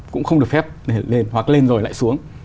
cũng không được phép hoặc lên rồi lại xuống